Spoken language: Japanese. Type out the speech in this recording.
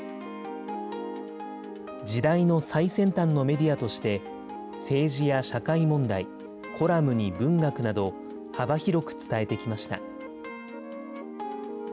時代の最先端のメディアとして、政治や社会問題、コラムに文学など、幅広く伝えてきました。